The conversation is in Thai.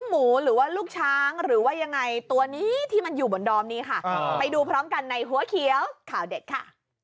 หมูหรือว่าลูกช้างหรือว่ายังไงตัวนี้ที่มันอยู่บนดอมนี้ค่ะไปดูพร้อมกันในหัวเขียวข่าวเด็ดค่ะ